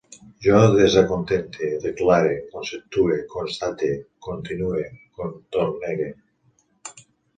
Jo desacontente, declare, conceptue, constate, continue, contornege